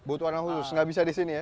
butuh arena khusus nggak bisa di sini ya